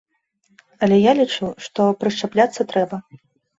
Але я лічу, што прышчапляцца трэба.